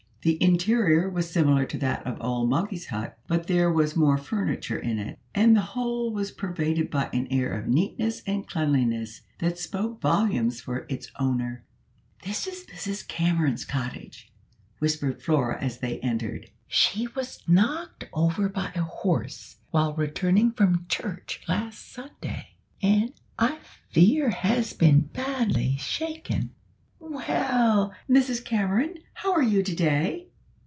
The interior was similar to that of old Moggy's hut, but there was more furniture in it, and the whole was pervaded by an air of neatness and cleanliness that spoke volumes for its owner. "This is Mrs Cameron's cottage," whispered Flora as they entered. "She was knocked over by a horse while returning from church last Sunday, and I fear has been badly shaken. Well, Mrs Cameron, how are you to day?"